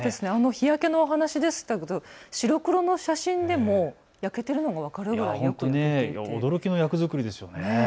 日焼けのお話、白黒の写真でも焼けているのが分かるぐらい、驚きの役作りですよね。